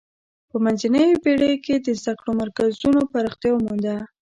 په منځنیو پیړیو کې د زده کړو مرکزونو پراختیا ومونده.